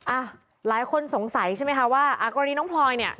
อ่ะหลายคนสงสัยใช่ไหมคะว่าอ่ากรณีน้องพลอยเนี่ย